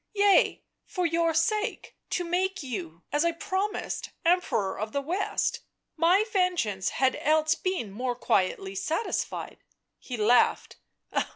" Yea, for your sake, to make you, as I promised, Emperor of the West — my vengeance had else been more quietly satisfied " He laughed.